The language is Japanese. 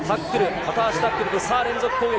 片足タックルで、さあ連続攻撃。